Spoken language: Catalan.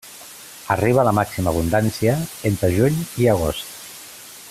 Arriba a la màxima abundància entre juny i agost.